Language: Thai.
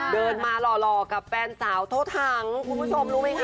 เดินมาหล่อกับแฟนสาวโทถังคุณผู้ชมรู้ไหมคะ